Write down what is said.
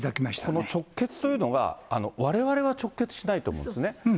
この直結というのが、われわれは直結しないと思うんですね。